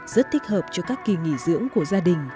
rất thích hợp cho các kỳ nghỉ dưỡng của gia đình